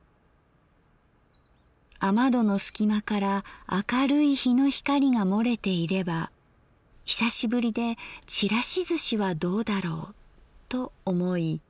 雨戸の隙間から明るい陽の光が洩れていれば久しぶりでちらしずしはどうだろうと思い